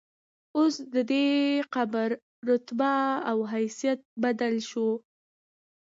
اوس ددې قبر رتبه او حیثیت بدل شو.